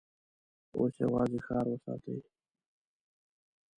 اوس يواځې ښار وساتئ!